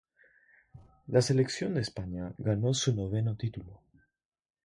La selección de España ganó su noveno título.